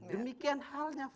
demikian halnya frekuensi